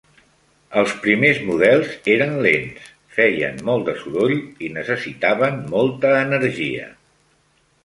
Els primers models eren lents, feien molt de soroll i necessitaven molta energia.